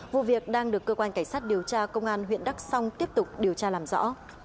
vụ việc đang được cơ quan cảnh sát điều tra công an huyện đắk song tiếp tục điều tra làm rõ